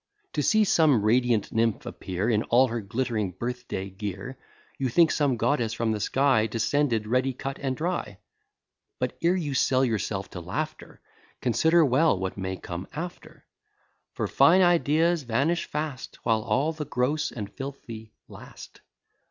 To see some radiant nymph appear In all her glitt'ring birth day gear, You think some goddess from the sky Descended, ready cut and dry: But ere you sell yourself to laughter, Consider well what may come after; For fine ideas vanish fast, While all the gross and filthy last.